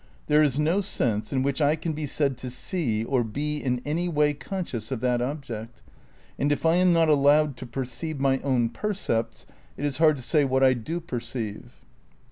There is no sense in which I can be said to see or be in any way conscious of that object. And if I am not allowed to perceive my own percepts it is hard to say what I do perceive.